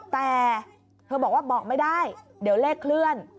แต่เธอบอกว่าบอกไม่ได้เดี๋ยวเลขเคลื่อน